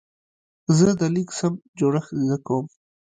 زه د لیک سم جوړښت زده کوم.